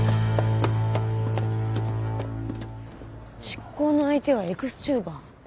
執行の相手はエクスチューバー？